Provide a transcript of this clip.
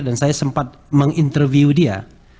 dan saya sempat menginterview dia